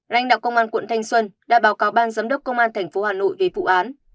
ranh đạo công an tp hà nội đã báo cáo ban giám đốc công an tp hà nội về vụ án